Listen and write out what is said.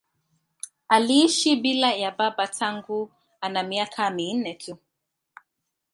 Aliishi bila ya baba tangu ana miaka minne tu.